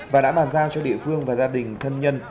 và đã bàn giao cho địa phương và gia đình thân nhân